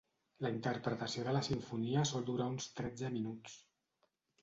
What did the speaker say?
La interpretació de la simfonia sol durar uns tretze minuts.